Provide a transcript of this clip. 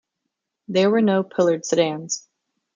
There were no pillared sedans.